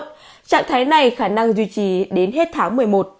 trạng thái này khả năng duy trì đến hết tháng một mươi một